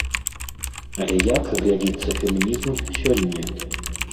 Але як глядзіцца фемінізм сёння?